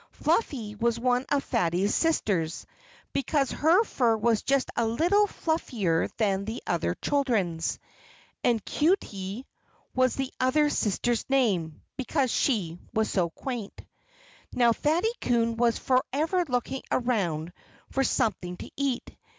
Fluffy was one of Fatty's sisters, because her fur was just a little fluffier than the other children's. And Cutey was the other sister's name, because she was so quaint. Now, Fatty Coon was forever looking around for something to eat.